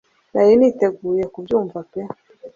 nari niteguye kubyumva pe